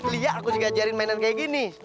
lia aku juga ajarin mainan kayak gini